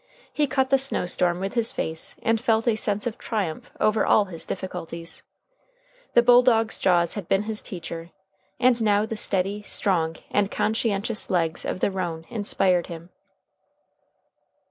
He cut the snow storm with his face, and felt a sense of triumph over all his difficulties. The bulldog's jaws had been his teacher, and now the steady, strong, and conscientious legs of the roan inspired him.